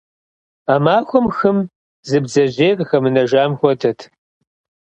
А махуэм хым зы бдзэжьеи къыхэмынэжам хуэдэт.